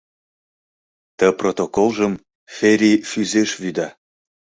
Ты протоколжым Фери Фӱзеш вӱда.